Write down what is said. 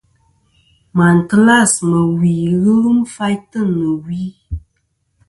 Màtlas mɨ̀ wì ghɨ lum faytɨ nɨ̀ wi.